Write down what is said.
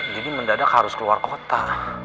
jadi mendadak harus keluar kota